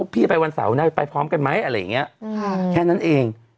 พี่ไปวันเสาร์นะไปพร้อมกันไหมแค่นั้นเอง